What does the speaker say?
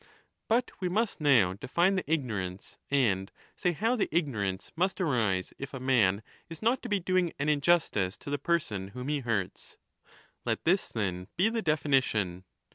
But we must now define the ignorance, and say how the ignorance must arise if a man is not to be doing an injustice to the person whom he hurts. Let this, then, be the definition.